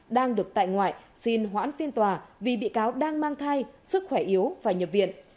đang được tại ngoại xin hoãn phiên tòa vì bị cáo đang mang thai sức khỏe yếu phải nhập viện